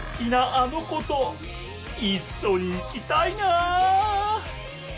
あの子といっしょに行きたいな！